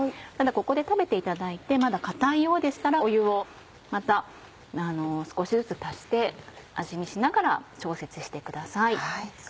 ここで食べていただいてまだ硬いようでしたら湯をまた少しずつ足して味見しながら調節してください。